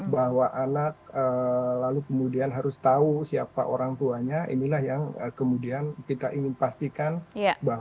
bahwa anak lalu kemudian harus tahu siapa orang tuanya inilah yang kemudian kita ingin pastikan bahwa lembaga lembaga yang diberikan tugas itu baik dipastikan